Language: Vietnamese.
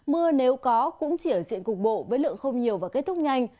mưa nếu có cũng chỉ ở diện cục bộ với lượng không nhiều và kết thúc nhanh